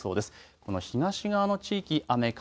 この東側の地域雨風